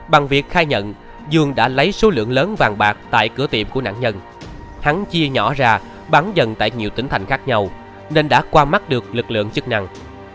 bằng việc khai nhận dương đã lấy số lượng lớn vàng bạc tại cửa tiệm của nạn nhân hắn chia nhỏ ra bán dần tại nhiều tỉnh thành khác nhau nên đã qua mắt được lực lượng chức năng